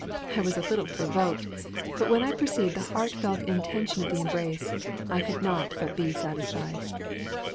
I was a little provoked; but when I perceived the heartfelt intention of the embrace, I could not but be satisfied.